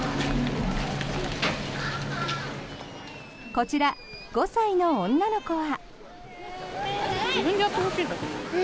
こちら、５歳の女の子は。